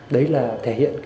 đấy là thể hiện